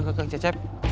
nanti bilang ke cek cecep